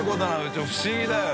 ちょっと不思議だよ。